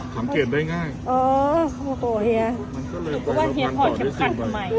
หังเกลียดได้ง่ายเออโอ้เฮียเพราะว่าพี่ขอเช็ครับใหม่